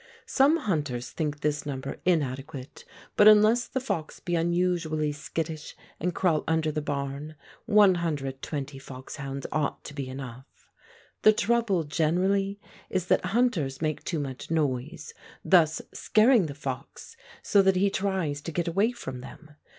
Some hunters think this number inadequate, but unless the fox be unusually skittish and crawl under the barn, 120 foxhounds ought to be enough. The trouble generally is that hunters make too much noise, thus scaring the fox so that he tries to get away from them.